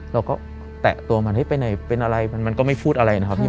เราก็แตะตัวมันเฮ้ยไปไหนเป็นอะไรมันก็ไม่พูดอะไรนะครับพี่